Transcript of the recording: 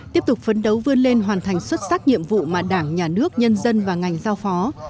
tiếp tục phấn đấu vươn lên hoàn thành xuất sắc nhiệm vụ mà đảng nhà nước nhân dân và ngành giao phó